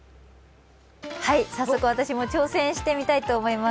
早速私も挑戦してみたいと思います。